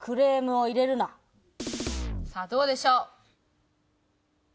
さあどうでしょう？